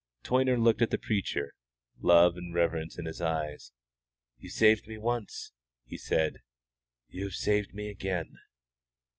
Toyner looked at the preacher, love and reverence in his eyes. "You saved me once," he said; "you have saved me again."